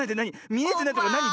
みえてないとかなに？